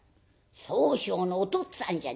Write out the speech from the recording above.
宗匠のおとっつぁんじゃねえか。